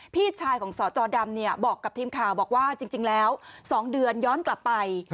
พี่ชายของสจดำบอกกับทีมข่าวบอกว่าจริงแล้ว๒เดือนย้อนกลับไป